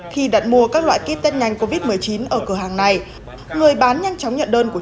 khi đặt mua các loại kit test nhanh covid một mươi chín ở cửa hàng này người bán nhanh chóng nhận đơn của